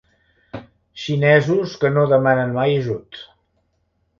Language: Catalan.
Xinesos que no demanen mai ajut.